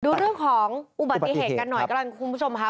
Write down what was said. ดูเรื่องของอุบัติเหตุกันหน่อยกันครับคุณผู้ชมครับ